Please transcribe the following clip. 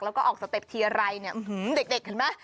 แล้วก็ออกสเต็ปทีไรเนี่ยเด็กเห็นไหม